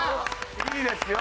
いいですよ！